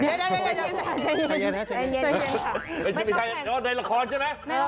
เดี๋ยวใจเย็นนึกไม่ใช่ในละครใช่มั้ย